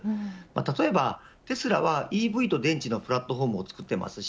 例えばテスラはＥＶと電池のプラットフォームを作っています。